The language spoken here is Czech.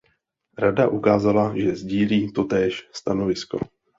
Rada ukázala, že sdílí totéž stanovisko.